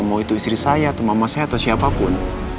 mau itu istri saya atau mama saya atau siapapun